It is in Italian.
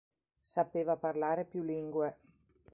Sapeva parlare più lingue.